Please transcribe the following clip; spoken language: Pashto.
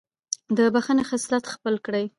د بښنې خصلت خپل کړئ.